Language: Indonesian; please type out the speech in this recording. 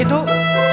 itu suara apa